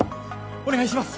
お願いします！